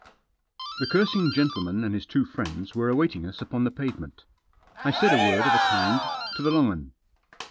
The cursing gentleman and his two friends were awaiting us upon the pavement. I said a word of a kind to the long 'un.